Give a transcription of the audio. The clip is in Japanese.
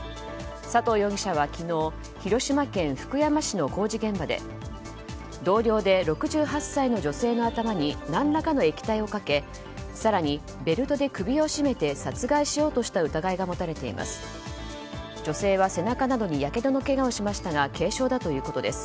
佐藤容疑者は昨日広島県福山市の工事現場で同僚で６８歳の女性の頭に何らかの液体をかけ更に、ベルトで首を絞めて殺害しようとした疑いが持たれています。